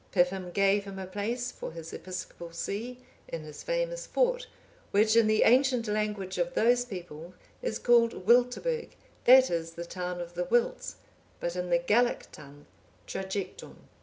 Pippin gave him a place for his episcopal see, in his famous fort, which in the ancient language of those people is called Wiltaburg, that is, the town of the Wilts; but, in the Gallic tongue, Trajectum.